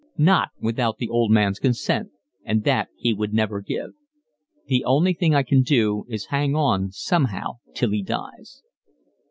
Not without the old man's consent, and that he would never give. "The only thing I can do is to hang on somehow till he dies."